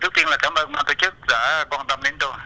thực tiên là cảm ơn các chức đã quan tâm đến tôi